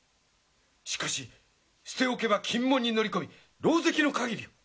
しかし捨て置けば禁門に乗り込み狼藉の限りを！